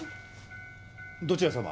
どちら様？